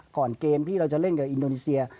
ก่อนเกมที่เราจะเล่นกับอินโดนีเซีย